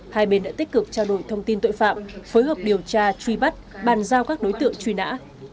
hai bên đã tích cực trao đổi thông tin tội phạm phối hợp điều tra truy bắt bàn giao các đối tượng truy nã